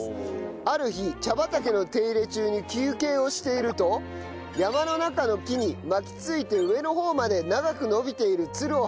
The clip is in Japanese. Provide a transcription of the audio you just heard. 「ある日茶畑の手入れ中に休憩をしていると山の中の木に巻きついて上の方まで長く伸びているツルを発見しました」